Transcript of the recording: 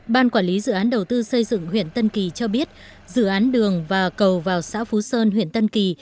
ban quản lý dự án đầu tư xây dựng huyện tân kỳ cho biết dự án đường và cầu vào xã phú sơn huyện tân kỳ